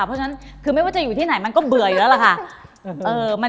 เพราะฉะนั้นคือไม่ว่าจะอยู่ที่ไหนมันก็เบื่ออยู่แล้วล่ะค่ะ